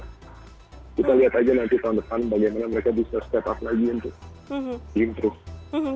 kita lihat aja nanti tahun depan bagaimana mereka bisa step up lagi untuk improve